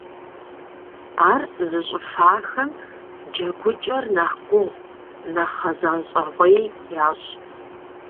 Ар зыщӀыфахэм джэгукӀэр нэхъ гугъу, нэхъ гъэзэщӀэгъуей ящӀ.